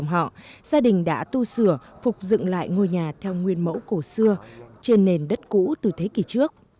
gia đình đã tu sửa phục dựng lại ngôi nhà theo nguyên mẫu cổ xưa trên nền đất cũ từ thế kỷ trước